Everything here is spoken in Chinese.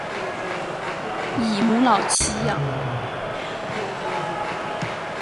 以母老乞养。